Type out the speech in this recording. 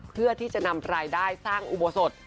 เพื่อที่จะนำรายได้สร้างอุโบสถ